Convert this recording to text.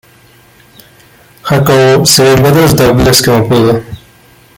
Jacobo se vengó de los Douglas como pudo.